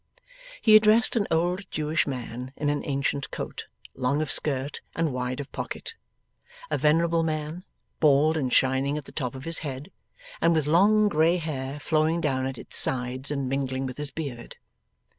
He addressed an old Jewish man in an ancient coat, long of skirt, and wide of pocket. A venerable man, bald and shining at the top of his head, and with long grey hair flowing down at its sides and mingling with his beard.